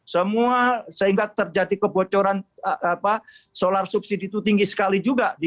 semua sehingga terjadi kebocoran solar subsidi itu tinggi sekali juga